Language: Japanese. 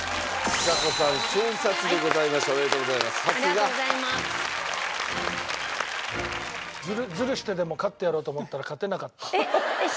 ずるしてでも勝ってやろうと思ったら勝てなかった。